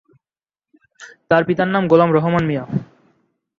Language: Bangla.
তার পিতার নাম গোলাম রহমান মিয়া।